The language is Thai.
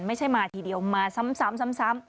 ไม่ใช่มาทีเดียวมาซ้ำ